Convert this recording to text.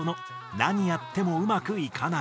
「なにやってもうまくいかない」